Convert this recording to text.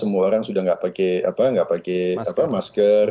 semua orang sudah tidak pakai masker